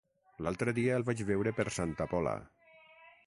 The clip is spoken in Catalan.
L'altre dia el vaig veure per Santa Pola.